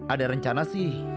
ada rencana sih